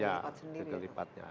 ya bisa tiga juta